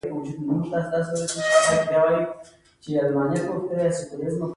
ستاسې لاشعور تاسې ته پر خپلو توقعاتو برلاسي دربښي.